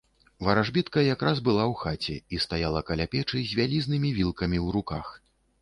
Варажбітка якраз была ў хаце і стаяла каля печы з вялізнымі вілкамі ў руках.